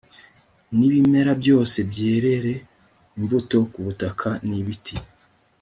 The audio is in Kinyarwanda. n ibimera byose byerere imbuto ku butaka n ibiti